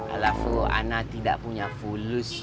alafu anda tidak punya fulus